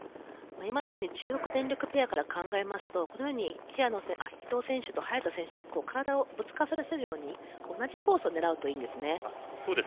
今のように中国電力ペアから考えますとこのように伊藤選手と早田選手を体をぶつからせるように同じコースを狙うといいんです。